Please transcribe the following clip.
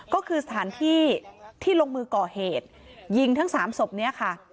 ก็คือสถานที่ที่ลงมือก่อเหตุยิงทั้งสามศพเนี่ยค่ะ